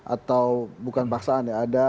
atau bukan paksaan ya